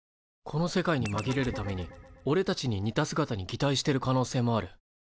この世界にまぎれるためにおれたちに似た姿にぎたいしてる可能性もある。